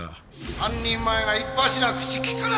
半人前がいっぱしな口利くな！